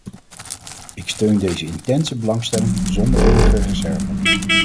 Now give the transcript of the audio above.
Ik steun deze intense belangstelling zonder enige reserve.